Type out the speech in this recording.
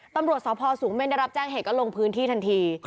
ตำรวจสพสูงเม่นได้รับแจ้งเหตุก็ลงพื้นที่ทันที